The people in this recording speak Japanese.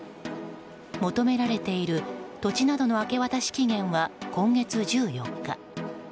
求められている土地などの明け渡し期限は今月１４日。